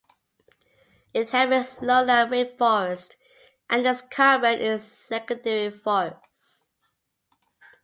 It inhabits lowland rainforest, and is common in secondary forest.